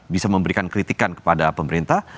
bisa memberikan kritikan kepada pemerintah